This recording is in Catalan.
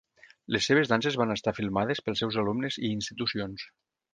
Les seves danses van estar filmades pels seus alumnes i institucions.